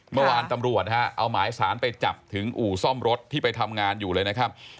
เมื่อวานตำรวจนะฮะเอาหมายสารไปจับถึงอู่ซ่อมรถที่ไปทำงานอยู่เลยนะครับ